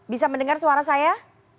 bisa mendengar suara saya